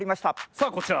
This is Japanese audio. さあこちら。